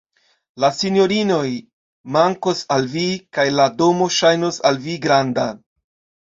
La sinjorinoj mankos al vi, kaj la domo ŝajnos al vi granda.